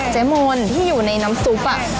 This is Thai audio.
เจมส์มนต์ที่อยู่ในน้ำซุป